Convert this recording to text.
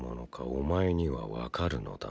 お前にはわかるのだな。